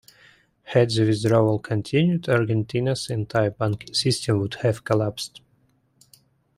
Had the withdrawal continued, Argentina's entire banking system would have collapsed.